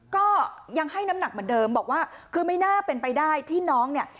ก็ยังให้น้ำหนักเหมือนเดิมบอกว่าคือไม่น่าเป็นไปได้ที่น้องเนี่ย